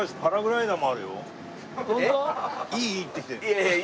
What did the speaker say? いい？